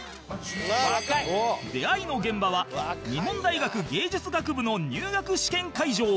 出会いの現場は日本大学芸術学部の入学試験会場